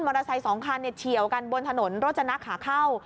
มอเตอร์ไซค์สองคันเฉียวกันบนถนนโรจนักษ์หาเข้า